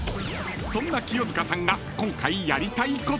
［そんな清塚さんが］